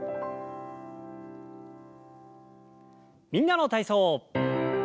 「みんなの体操」。